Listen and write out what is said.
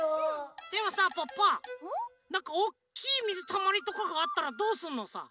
でもさポッポなんかおっきいみずたまりとかがあったらどうすんのさ？